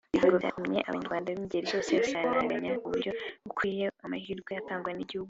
Ibi ngo byatumye Abanyarwanda b’ingeri zose basaranganya ku buryo bukwiye amahirwe atangwa n’Igihugu